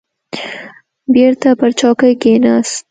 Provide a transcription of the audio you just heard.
بېرته پر چوکۍ کښېناست.